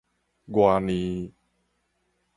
偌爾